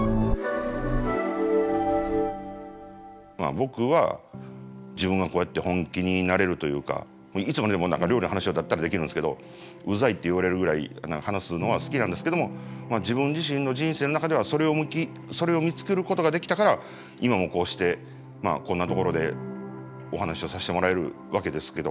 僕は自分がこうやって本気になれるというかいつまでも料理の話だったらできるんですけどうざいって言われるぐらい話すのは好きなんですけども自分自身の人生の中ではそれを見つけることができたから今もこうしてこんなところでお話をさせてもらえるわけですけど。